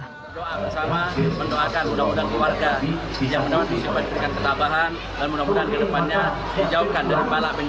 mendoakan bersama mendoakan mudah mudahan keluarga bisa mendoakan disiapkan ketabahan dan mudah mudahan ke depannya dijauhkan dari balak bencana